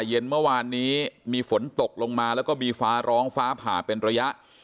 เย็นเมื่อวานนี้มีฝนตกลงมาแล้วก็มีฟ้าร้องฟ้าผ่าเป็นระยะ